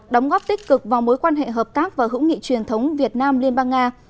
đóng góp tích cực vào mối quan hệ hợp tác và hữu nghị truyền thống việt nam liên bang nga